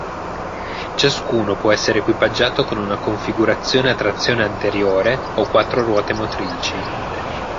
Ciascuno può essere equipaggiato con una configurazione a trazione anteriore o quattro ruote motrici.